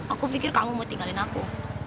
aku pikir kamu mau tinggalin aku